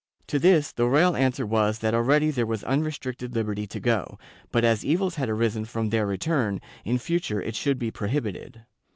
To this the royal answer was that already there was unrestricted liberty to go, but as evils had arisen from their return, in future it should be prohibited.